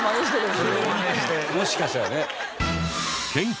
もしかしたらね。